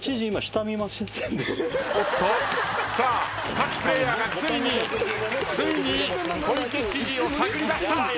各プレイヤーがついについに小池知事を探りだした。